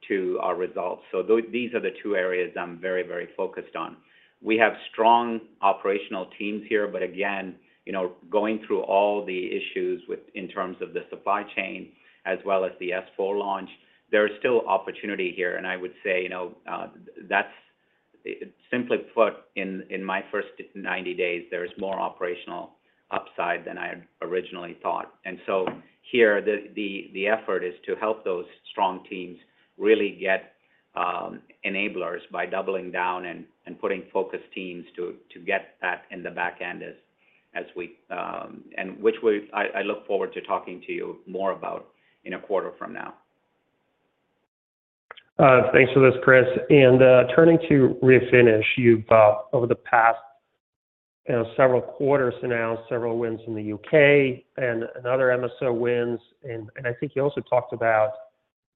to our results. These are the two areas I'm very, very focused on. We have strong operational teams here, but again, you know, going through all the issues with, in terms of the supply chain as well as the S/4 launch, there is still opportunity here. I would say, you know, that's. Simply put, in my first 90 days, there is more operational upside than I had originally thought. Here, the effort is to help those strong teams really get enablers by doubling down and putting focus teams to get that in the back end as we. Which I look forward to talking to you more about in a quarter from now. Thanks for this, Chris. Turning to Refinish, you've over the past, you know, several quarters announced several wins in the U.K. and another MSO wins and I think you also talked about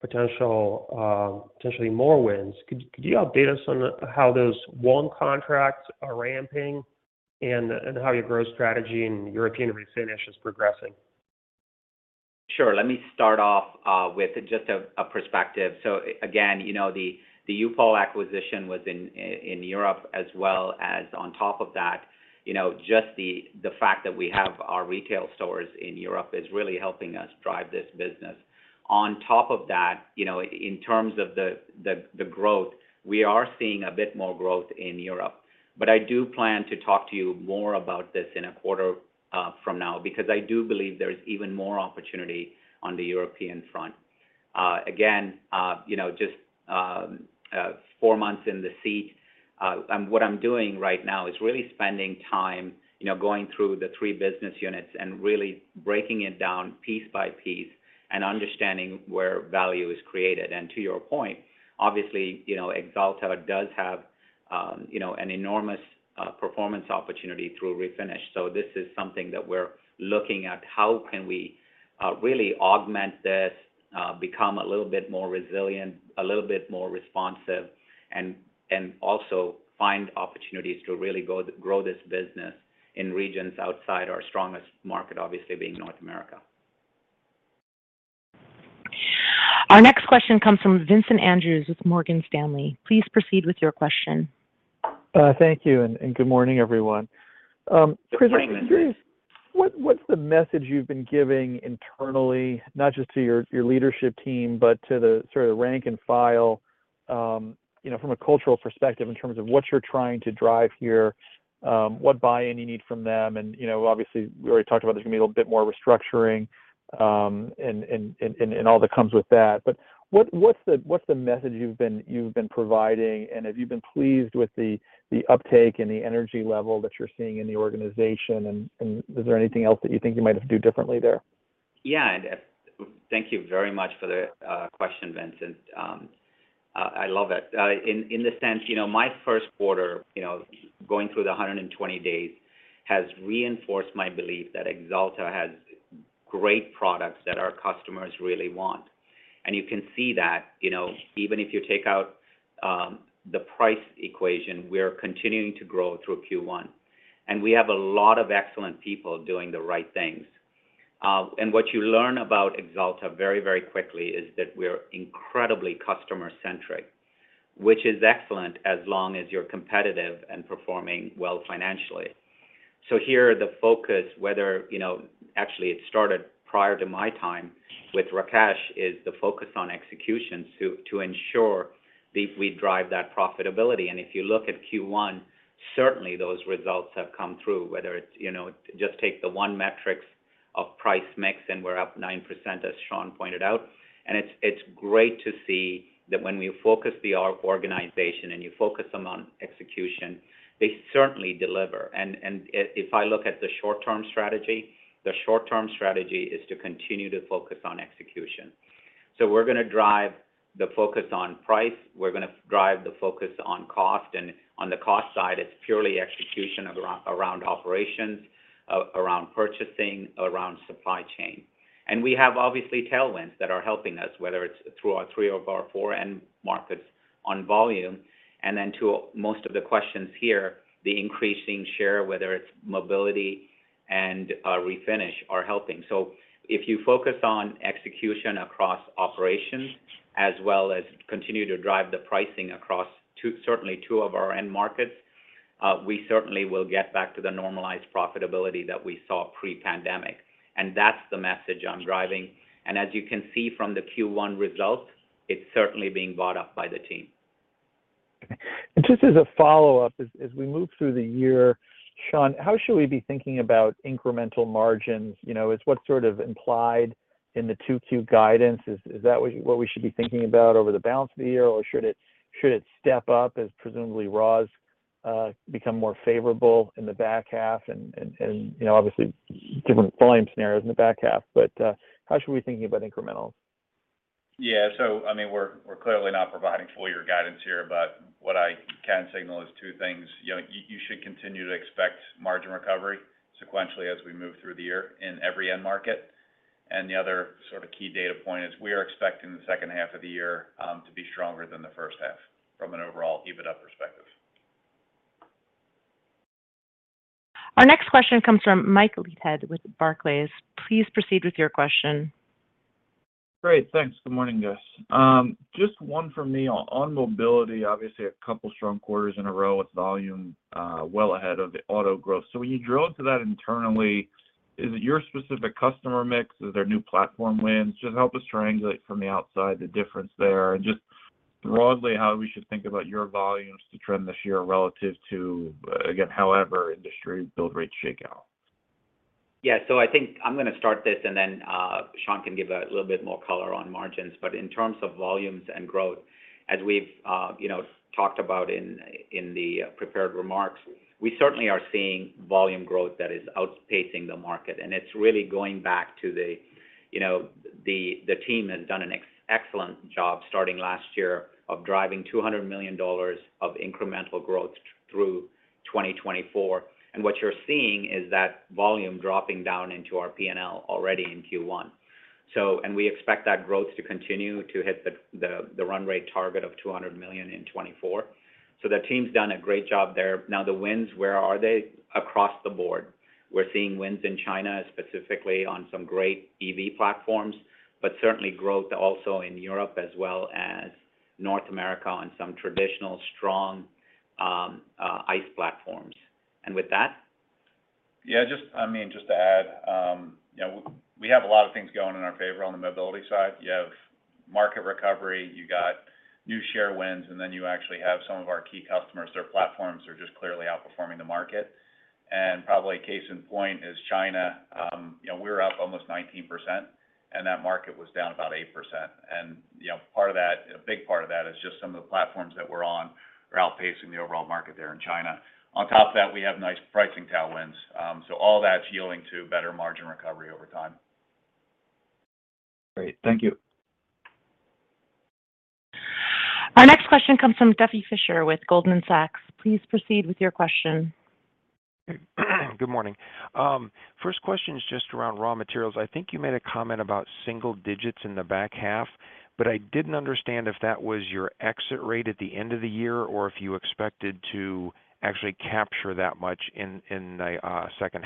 potential, potentially more wins. Could you update us on how those won contracts are ramping and how your growth strategy in European Refinish is progressing? Sure. Let me start off with just a perspective. Again, you know, the U-POL acquisition was in Europe as well as on top of that, you know, just the fact that we have our retail stores in Europe is really helping us drive this business. On top of that, you know, in terms of the growth, we are seeing a bit more growth in Europe. I do plan to talk to you more about this in a quarter from now because I do believe there is even more opportunity on the European front. Again, you know, just four months in the seat, and what I'm doing right now is really spending time, you know, going through the three business units and really breaking it down piece by piece and understanding where value is created. To your point, obviously, you know, Axalta does have, you know, an enormous performance opportunity through refinish. This is something that we're looking at how can we really augment this, become a little bit more resilient, a little bit more responsive, and also find opportunities to really grow this business in regions outside our strongest market, obviously being North America. Our next question comes from Vincent Andrews with Morgan Stanley. Please proceed with your question. Thank you, and good morning, everyone. Chris, I'm curious, what's the message you've been giving internally, not just to your leadership team, but to the sort of rank and file, you know, from a cultural perspective in terms of what you're trying to drive here, what buy-in you need from them, and, you know, obviously we already talked about there's gonna be a little bit more restructuring, and all that comes with that. What's the message you've been providing, and have you been pleased with the uptake and the energy level that you're seeing in the organization, and is there anything else that you think you might have to do differently there? Yeah, thank you very much for the question, Vincent. I love it. In the sense, you know, my first quarter, you know, going through the 120 days has reinforced my belief that Axalta has great products that our customers really want. You can see that, you know, even if you take out the price equation, we're continuing to grow through Q1. We have a lot of excellent people doing the right things. What you learn about Axalta very quickly is that we're incredibly customer-centric, which is excellent as long as you're competitive and performing well financially. Here, the focus, whether, you know, actually it started prior to my time with Rakesh, is the focus on execution to ensure we drive that profitability. If you look at Q1, certainly those results have come through, whether it's, you know, just take the one metrics of price mix, and we're up 9%, as Sean pointed out. It's great to see that when we focus the organization and you focus them on execution, they certainly deliver. If I look at the short-term strategy, the short-term strategy is to continue to focus on execution. We're gonna drive the focus on price. We're gonna drive the focus on cost. On the cost side, it's purely execution around operations, around purchasing, around supply chain. We have obviously tailwinds that are helping us, whether it's through our three of our four end markets on volume, and then to most of the questions here, the increasing share, whether it's Mobility and Refinish are helping. If you focus on execution across operations as well as continue to drive the pricing across certainly two of our end markets, we certainly will get back to the normalized profitability that we saw pre-pandemic. That's the message I'm driving. As you can see from the Q1 results, it's certainly being bought up by the team. Just as a follow-up, as we move through the year, Sean, how should we be thinking about incremental margins? You know, is what sort of implied in the 2Q guidance, is that what we should be thinking about over the balance of the year, or should it step up as presumably raws become more favorable in the back half and, you know, obviously different volume scenarios in the back half. How should we be thinking about incrementals? Yeah. I mean, we're clearly not providing full year guidance here, but what I can signal is two things. You know, you should continue to expect margin recovery sequentially as we move through the year in every end market. The other sort of key data point is we are expecting the second half of the year to be stronger than the first half from an overall EBITDA perspective. Our next question comes from Michael Leithead with Barclays. Please proceed with your question. Great. Thanks. Good morning, guys. Just one for me on Mobility, obviously two strong quarters in a row with volume well ahead of the auto growth. When you drill into that internally, is it your specific customer mix? Is there new platform wins? Just help us triangulate from the outside the difference there and just broadly how we should think about your volumes to trend this year relative to, again, however industry build rates shake out? I think I'm gonna start this and then Sean can give a little bit more color on margins. In terms of volumes and growth, as we've, you know, talked about in the prepared remarks, we certainly are seeing volume growth that is outpacing the market. It's really going back to the, you know, the team has done an excellent job starting last year of driving $200 million of incremental growth through 2024. What you're seeing is that volume dropping down into our P&L already in Q1. We expect that growth to continue to hit the run rate target of $200 million in 2024. The team's done a great job there. The wins, where are they? Across the board. We're seeing wins in China, specifically on some great EV platforms, but certainly growth also in Europe as well as North America on some traditional strong ICE platforms. With that. Yeah, just I mean, just to add, you know, we have a lot of things going in our favor on the Mobility side. You have market recovery, you got new share wins, you actually have some of our key customers, their platforms are just clearly outperforming the market. Probably a case in point is China. You know, we were up almost 19%, that market was down about 8%. You know, part of that, a big part of that is just some of the platforms that we're on are outpacing the overall market there in China. On top of that, we have nice pricing tailwinds. All that's yielding to better margin recovery over time. Great. Thank you. Our next question comes from Duffy Fischer with Goldman Sachs. Please proceed with your question. Good morning. First question is just around raw materials. I think you made a comment about single digits in the back half, but I didn't understand if that was your exit rate at the end of the year, or if you expected to actually capture that much in the H2.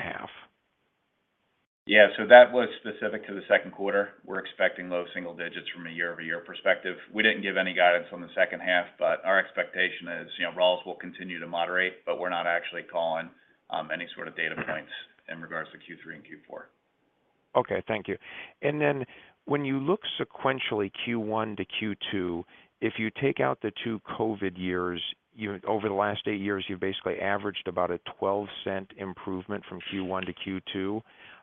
Yeah. That was specific to the Q2. We're expecting low single digits from a year-over-year perspective. We didn't give any guidance on the second half, but our expectation is, you know, raws will continue to moderate, but we're not actually calling any sort of data points in regards to Q3 and Q4. Okay. Thank you. When you look sequentially Q1 to Q2, if you take out the two COVID-19 years, you over the last 8 years, you've basically averaged about a $0.12 improvement from Q1 to Q2.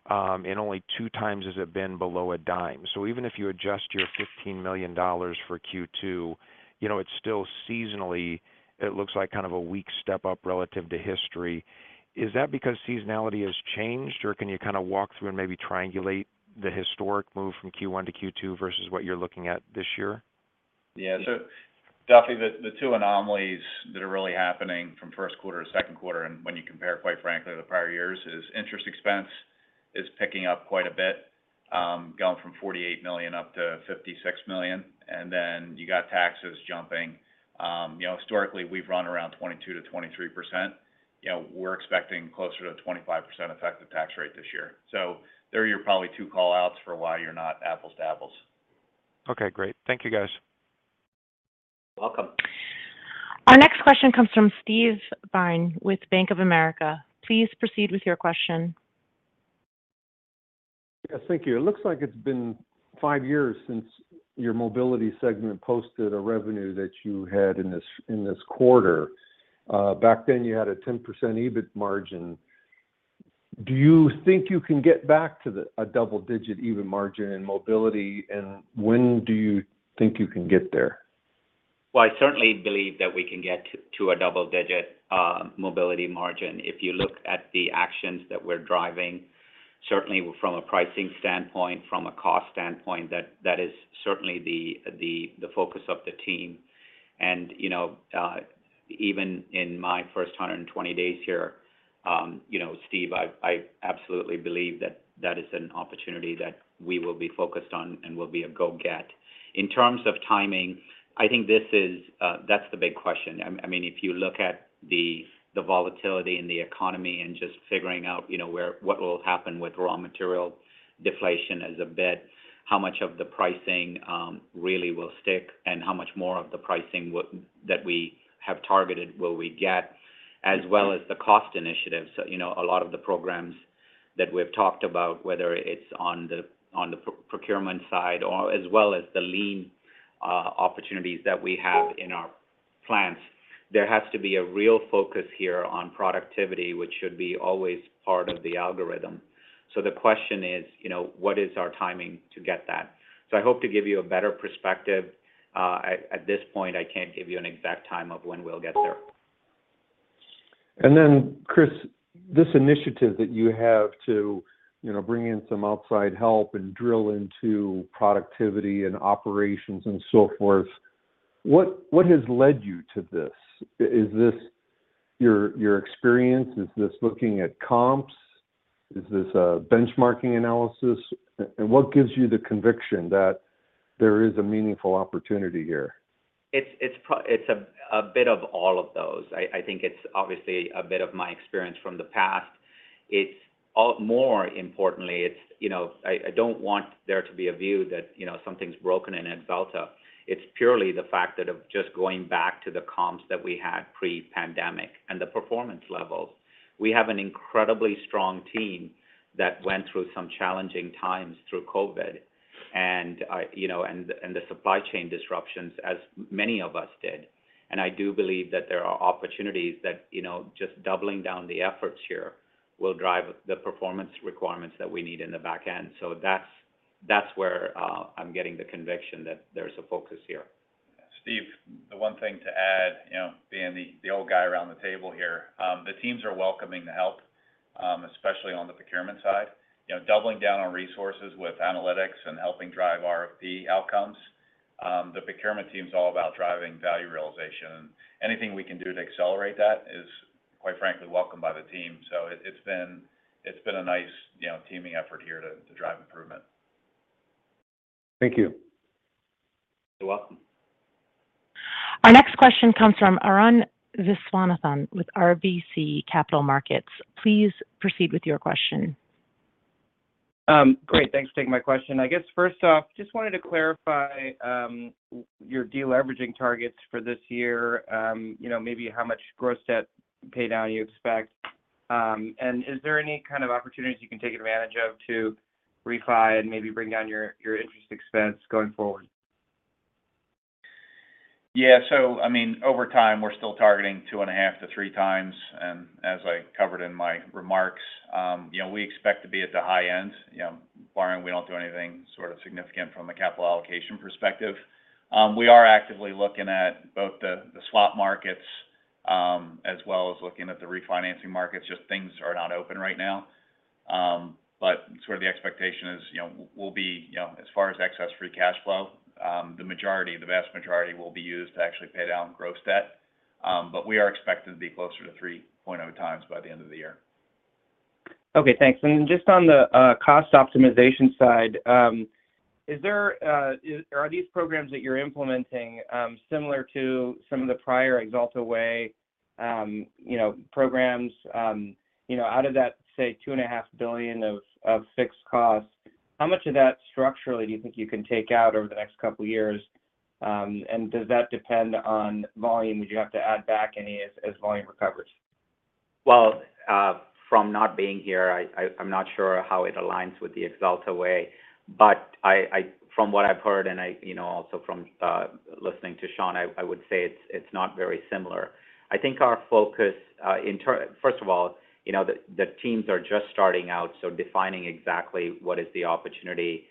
And only two times has it been below $0.10. Even if you adjust your $15 million for Q2, you know, it's still seasonally, it looks like kind of a weak step up relative to history. Is that because seasonality has changed, or can you kind of walk through and maybe triangulate the historic move from Q1 to Q2 versus what you're looking at this year? Duffy, the two anomalies that are really happening from first quarter to Q2, and when you compare, quite frankly, the prior years, is interest expense is picking up quite a bit, going from $48 million up to $56 million, and then you got taxes jumping. You know, historically, we've run around 22%-23%. You know, we're expecting closer to 25% effective tax rate this year. There are your probably two call-outs for why you're not apples to apples. Okay, great. Thank you, guys. You're welcome. Our next question comes from Steve Byrne with Bank of America. Please proceed with your question. Yes, thank you. It looks like it's been five years since your Mobility segment posted a revenue that you had in this quarter. Back then you had a 10% EBIT margin. Do you think you can get back to a double-digit EBIT margin in Mobility? When do you think you can get there? Well, I certainly believe that we can get to a double digit Mobility margin. If you look at the actions that we're driving, certainly from a pricing standpoint, from a cost standpoint, that is certainly the focus of the team. You know, even in my first 120 days here, you know, Steve, I absolutely believe that that is an opportunity that we will be focused on and will be a go get. In terms of timing, I think this is... that's the big question. I mean, if you look at the volatility in the economy and just figuring out, you know, what will happen with raw material deflation as a bit, how much of the pricing really will stick, and how much more of the pricing that we have targeted will we get, as well as the cost initiatives. A lot of the programs that we've talked about, whether it's on the procurement side, or as well as the lean opportunities that we have in our plans, there has to be a real focus here on productivity, which should be always part of the algorithm. The question is, you know, what is our timing to get that? I hope to give you a better perspective. At this point, I can't give you an exact time of when we'll get there. Chris, this initiative that you have to, you know, bring in some outside help and drill into productivity and operations and so forth, what has led you to this? Is this your experience? Is this looking at comps? Is this a benchmarking analysis? What gives you the conviction that there is a meaningful opportunity here? It's, it's a bit of all of those. I think it's obviously a bit of my experience from the past. It's, more importantly, it's, you know, I don't want there to be a view that, you know, something's broken in Axalta. It's purely the fact that of just going back to the comps that we had pre-pandemic and the performance levels. We have an incredibly strong team that went through some challenging times through COVID and, you know, the supply chain disruptions as many of us did. I do believe that there are opportunities that, you know, just doubling down the efforts here will drive the performance requirements that we need in the back end. That's, that's where I'm getting the conviction that there's a focus here. Steve, the one thing to add, you know, being the old guy around the table here, the teams are welcoming the help, especially on the procurement side. You know, doubling down on resources with analytics and helping drive RFP outcomes. The procurement team's all about driving value realization. Anything we can do to accelerate that is, quite frankly, welcomed by the team. It's been a nice, you know, teaming effort here to drive improvement. Thank you. You're welcome. Our next question comes from Arun Viswanathan with RBC Capital Markets. Please proceed with your question. Great. Thanks for taking my question. I guess, first off, just wanted to clarify, your deleveraging targets for this year. You know, maybe how much gross debt pay down you expect. Is there any kind of opportunities you can take advantage of to refi and maybe bring down your interest expense going forward? Yeah. I mean, over time, we're still targeting 2.5 to 3 times. As I covered in my remarks, you know, we expect to be at the high end, you know, barring we don't do anything sort of significant from a capital allocation perspective. We are actively looking at both the swap markets, as well as looking at the refinancing markets, just things are not open right now. Sort of the expectation is, you know, we'll be, you know, as far as excess free cash flow, the majority, the vast majority will be used to actually pay down gross debt. We are expecting to be closer to 3.0 times by the end of the year. Okay, thanks. Just on the cost optimization side, are these programs that you're implementing similar to some of the prior Axalta Way, you know, programs, you know, out of that, say, $2.5 billion of fixed costs, how much of that structurally do you think you can take out over the next couple of years? Does that depend on volume? Do you have to add back any as volume recovers? From not being here, I'm not sure how it aligns with the Axalta Way. I, from what I've heard and I, you know, also from listening to Sean, I would say it's not very similar. I think our focus, in First of all, you know, the teams are just starting out, so defining exactly what is the opportunity,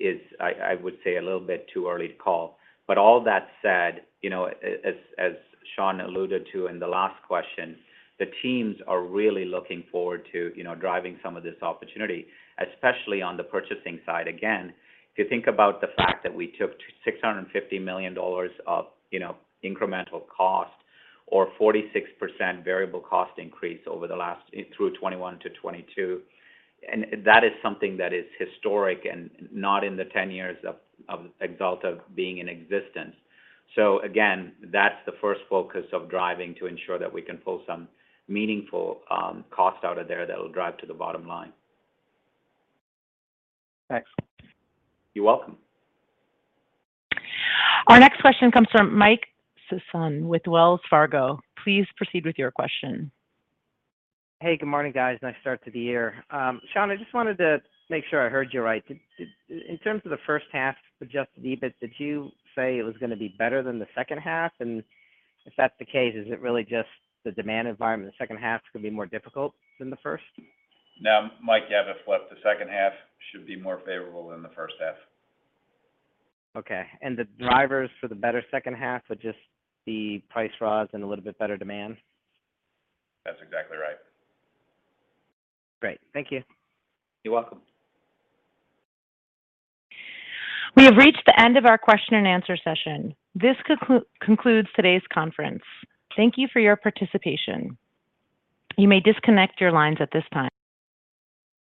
is I would say a little bit too early to call. All that said, you know, as Sean alluded to in the last question, the teams are really looking forward to, you know, driving some of this opportunity, especially on the purchasing side. If you think about the fact that we took $650 million of, you know, incremental cost or 46% variable cost increase through 2021 to 2022. That is something that is historic and not in the 10 years of Axalta being in existence. Again, that's the first focus of driving to ensure that we can pull some meaningful cost out of there that will drive to the bottom line. Thanks. You're welcome. Our next question comes from Mike Sison with Wells Fargo. Please proceed with your question. Hey, good morning, guys. Nice start to the year. Sean, I just wanted to make sure I heard you right. In terms of the H1 adjusted EBIT, did you say it was gonna be better than the second half? If that's the case, is it really just the demand environment in the H2 is gonna be more difficult than the first? No, Mike, you have it flipped. The second half should be more favorable than the first half. Okay. The drivers for the better H2 would just be price rise and a little bit better demand? That's exactly right. Great. Thank you. You're welcome. We have reached the end of our question and answer session. This concludes today's conference. Thank you for your participation. You may disconnect your lines at this time.